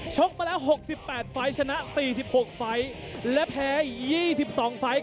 มาแล้ว๖๘ไฟล์ชนะ๔๖ไฟล์และแพ้๒๒ไฟล์